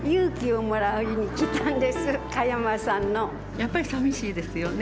やっぱり寂しいですよね。